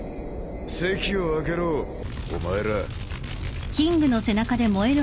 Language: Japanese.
席を空けろお前ら。